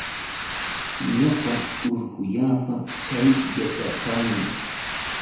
Ñuqa urqullapa chay yacharqani.